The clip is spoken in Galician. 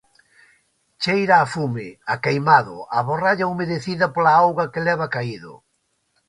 Cheira a fume, a queimado, a borralla humedecida pola auga que leva caído.